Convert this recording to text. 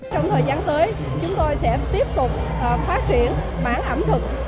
trong thời gian tới chúng tôi sẽ tiếp tục phát triển bản ẩm thực